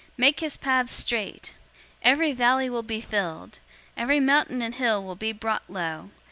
Make his paths straight. 003:005 Every valley will be filled. Every mountain and hill will be brought low.